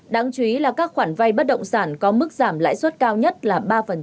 đáng chú ý là các khoản vay bất động sản có mức giảm lãi suất cao nhất là ba